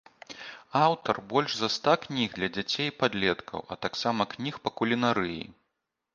Аўтар больш за ста кніг для дзяцей і падлеткаў, а таксама кніг па кулінарыі.